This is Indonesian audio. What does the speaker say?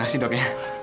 makasih dok ya